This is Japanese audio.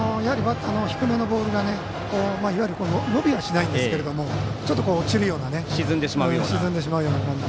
低めのボールがいわゆる伸びはしないんですがちょっと落ちるような沈んでしまうような感じ。